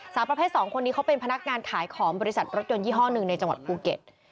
สาวประเภท๒คนนี้เขาเป็นพนักงานขายของบริษัทรถยนต์ยี่ห้อหนึ่งในจังหวัดภูเก็ต